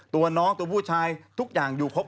ตัวน้องตัวผู้ชายทุกอย่างอยู่ครบ